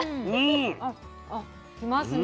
あっあっきますね。